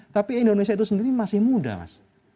tapi indonesia itu sendiri masih muda mas